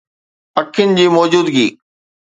پکين جي موجودگي